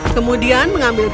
kemudian mengambil bantuan